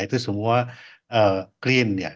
itu semua clean ya